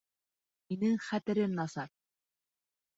Минең хәтерем насар